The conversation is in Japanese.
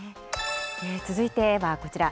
続いてはこちら。